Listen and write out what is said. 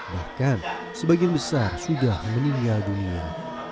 bahkan sebagian besar sudah meninggal dunia